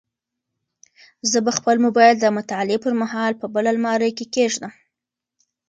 زه به خپل موبایل د مطالعې پر مهال په بل المارۍ کې کېږدم.